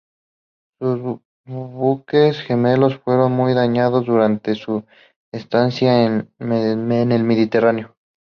Sus buques gemelos fueron muy dañados durante su estancia en el Mediterráneo.